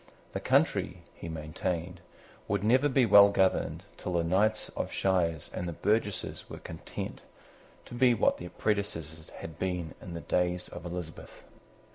The country, he maintained, would never be well governed till the knights of shires and the burgesses were content to be what their predecessors had been in the days of Elizabeth.